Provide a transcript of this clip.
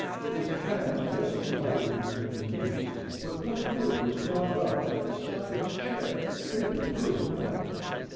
His hands rested lightly between his knees, but one foot was drawn up at the side of his chair in a peculiar manner.